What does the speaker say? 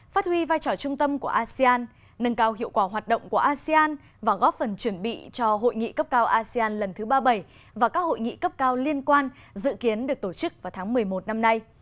phát huy vai trò trung tâm của asean nâng cao hiệu quả hoạt động của asean và góp phần chuẩn bị cho hội nghị cấp cao asean lần thứ ba mươi bảy và các hội nghị cấp cao liên quan dự kiến được tổ chức vào tháng một mươi một năm nay